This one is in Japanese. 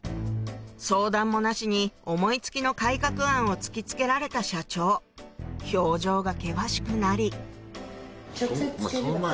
相談もなしに思い付きの改革案を突き付けられた社長表情が険しくなりお前